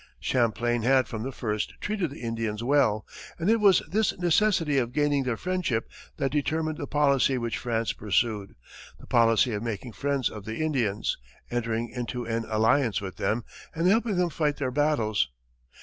Champlain had from the first treated the Indians well, and it was this necessity of gaining their friendship that determined the policy which France pursued the policy of making friends of the Indians, entering into an alliance with them, and helping them fight their battles.